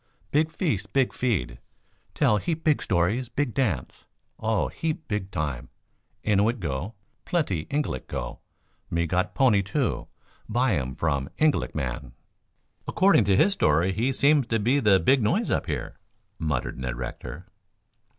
Big feast, big feed, tell heap big stories, big dance. Oh, heap big time. Innuit go, plenty Ingalik go. Me got pony, too. Buy um from Ingalik man." "According to his story he seems to be the big noise up here," muttered Ned Rector.